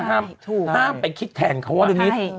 ห้ามไปคิดแทนเขาว่าเรื่องนี้